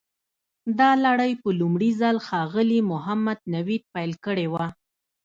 دا لړۍ په لومړي ځل ښاغلي محمد نوید پیل کړې وه.